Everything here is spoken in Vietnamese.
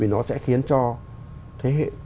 nó sẽ khiến cho thế hệ